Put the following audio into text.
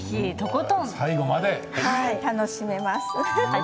最後まで楽しめます。